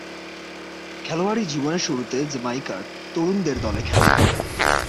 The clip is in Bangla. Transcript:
খেলোয়াড়ী জীবনের শুরুতে জ্যামাইকার তরুণদের দলে খেলেন।